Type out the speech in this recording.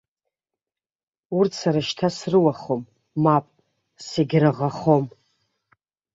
Урҭ сара шьҭа срыуахом, мап, сегьраӷахом.